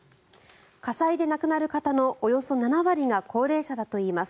火災で亡くなる方のおよそ７割が高齢者だといいます。